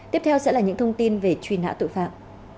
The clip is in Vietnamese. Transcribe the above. tiếp theo sẽ là những thông tin về truy nã tội phạm